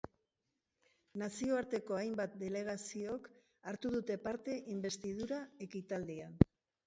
Nazioarteko hainbat delegaziok hartu dute parte inbestidura ekitaldian.